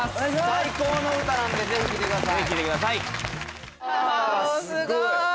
最高の歌なんでぜひ聴いてください